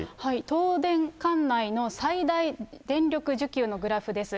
東電管内の最大電力需給のグラフです。